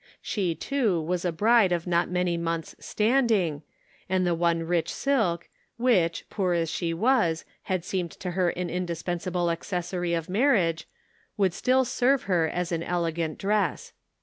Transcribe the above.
She, too, was a bride of not many months' standing, and the one rich silk, which, poor as she was, had seemed to her an indispensable accessory of marriage, would still serve her as an elegant dress.